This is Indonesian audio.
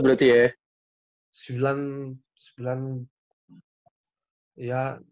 udah lama banget berarti ya